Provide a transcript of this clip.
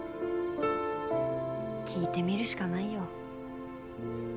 聞いてみるしかないよ。